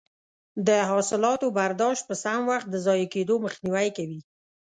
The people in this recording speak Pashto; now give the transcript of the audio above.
د حاصلاتو برداشت په سم وخت د ضایع کیدو مخنیوی کوي.